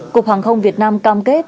cục hàng không việt nam cam kết